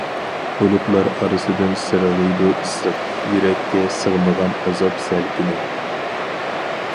بۇلۇتلار ئارىسىدىن سىرغىيدۇ ئىسسىق، يۈرەككە سىغمىغان ئازاب سەلكىنى.